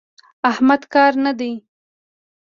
احمد کاره نه دی.